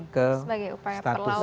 sebagai upaya perlawanan